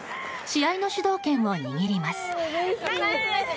試合の主導権を握ります。